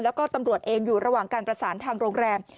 แล้วก็ตำรวจเองอยู่ระหว่างการประสานทางโรงแรม